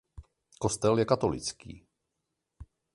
Kostel je katolický.